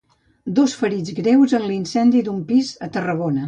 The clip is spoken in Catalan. Dos ferits greus en l'incendi d'un pis a Tarragona.